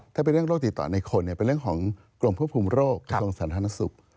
ถ้าเป็นเรื่องโรคติดต่อในคนเป็นเรื่องของกรมควบคุมโรคกระทรวงสาธารณสุข